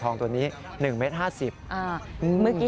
ตอนแรกก็ไม่แน่ใจนะคะ